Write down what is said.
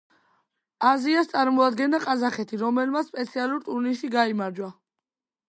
აზიას წარმოადგენდა ყაზახეთი, რომელმაც სპეციალურ ტურნირში გაიმარჯვა.